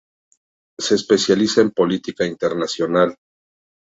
Se especializa en política internacional.